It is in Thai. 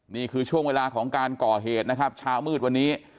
นี่คือช่วงเวลาของการก่อเหตุนะครับเช้ามืดวันนี้